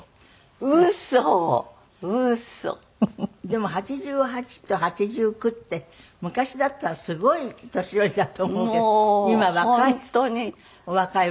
でも８８と８９って昔だったらすごい年寄りだと思うけど今若い。